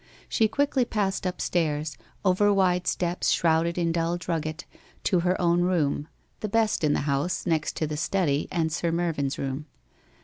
She quickly passed upstairs, over wide steps shrouded in dull drugget, to her own room — the best in the house, next to the study and Sir Mervyn'fl room.